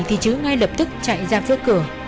thì chữ ngay lập tức chạy ra phía cửa